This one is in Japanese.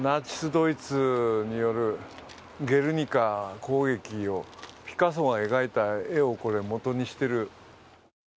ドイツによるゲルニカ攻撃をピカソを描いた絵をもとにしてる。